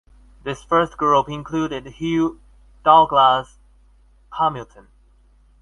This first group included Hugh Douglas Hamilton.